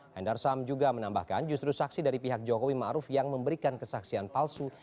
hendar sam juga menambahkan justru saksi dari pihak jokowi ⁇ maruf ⁇ yang memberikan kesaksian palsu